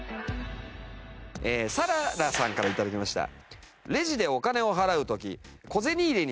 さららさんから頂きました。